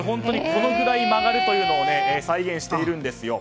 このくらい曲がるというのを再現しているんです。